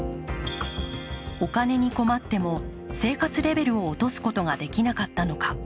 お金に困っても、生活レベルを落とすことができなかったのか。